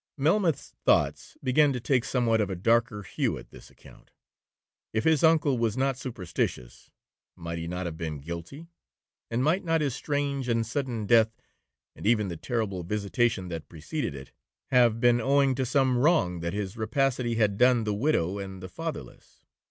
Melmoth's thoughts began to take somewhat of a darker hue at this account. If his uncle was not superstitious, might he not have been guilty, and might not his strange and sudden death, and even the terrible visitation that preceded it, have been owing to some wrong that his rapacity had done the widow and the fatherless.